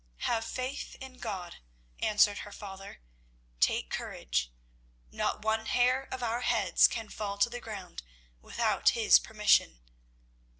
"Have faith in God," answered her father. "Take courage. Not one hair of our heads can fall to the ground without His permission.